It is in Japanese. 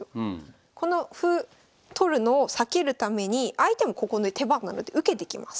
この歩取るのを避けるために相手もここね手番なので受けてきます。